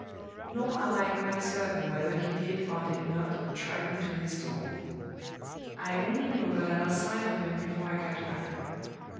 Nor am I quite certain whether he did or did not track me to this door. I only know that I lost sight of him before I got back.